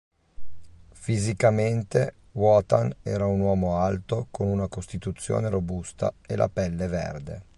Fisicamente, Wotan era un uomo alto con una costituzione robusta e la pelle verde.